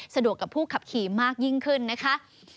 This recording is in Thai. สะดวกกับผู้ขับขี่มากยิ่งขึ้นนะคะ